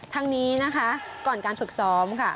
ทั้งนี้นะคะก่อนการฝึกซ้อมค่ะ